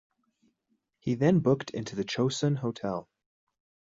He then booked into the Chosun Hotel.